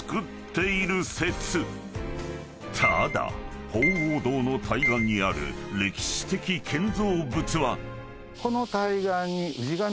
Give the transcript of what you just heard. ［ただ鳳凰堂の対岸にある歴史的建造物は］この。